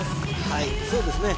はいそうですね